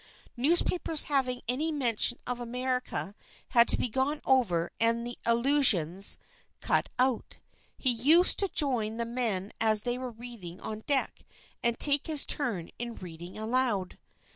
Newspapers having any mention of America had to be gone over and the allusions cut out. He used to join the men as they were reading on deck and take his turn in reading aloud.